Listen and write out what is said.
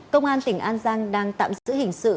công an tỉnh an giang đang tạm giữ hình sự